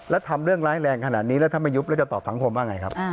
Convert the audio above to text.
แล้วทำเรื่องร้ายแรงขนาดนี้แล้วถ้าไม่ยุบแล้วจะตอบสังคมว่าไงครับ